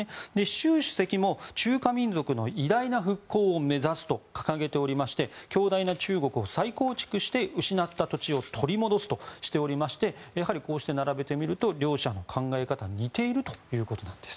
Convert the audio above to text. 習主席も中華民族の偉大な復興を目指すと掲げておりまして強大な中国を再構築して失った土地を取り戻すとしておりましてやはり並べてみると両者の考え方が似ているということなんです。